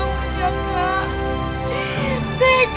bukan seperti itu